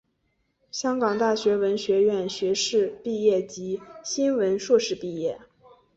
香港大学文学院学士毕业及新闻硕士毕业。